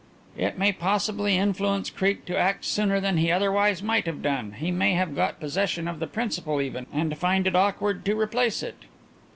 "It may possibly influence Creake to act sooner than he otherwise might have done. He may have got possession of the principal even and find it very awkward to replace it."